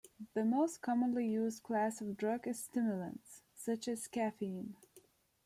The most commonly used class of drug is stimulants, such as caffeine.